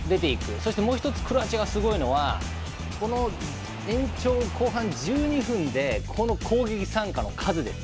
そしてもう１つクロアチアがすごいのがこの延長、後半１２分でこの攻撃参加の数です。